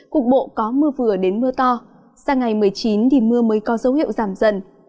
cục bộ có mưa vừa đến mưa to sang ngày một mươi chín thì mưa mới có dấu hiệu giảm dần